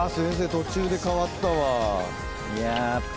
途中で変わったわ。